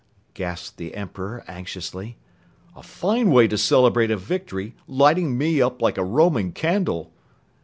gasped the Emperor anxiously. "A fine way to celebrate a victory, lighting me up like a Roman candle!"